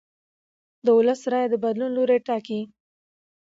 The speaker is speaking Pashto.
د ولس رایه د بدلون لوری ټاکي